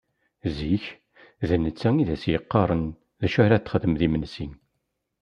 Zik, d netta i d as-d-yeqqaren d acu ara d-texdem d imensi.